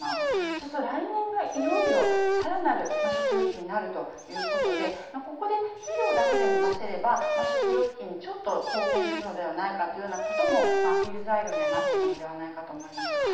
そうすると来年がいよいよ更なる食糧危機になるということでここで肥料だけでも出せれば食糧危機にちょっと貢献するのではないかということもアピール材料にはなっているのではないかと思います。